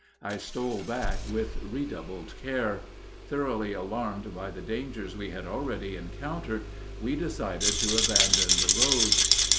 I stole back with redoubled care. Thoroughly alarmed by the dangers we had already encountered, we decided to abandon the roads.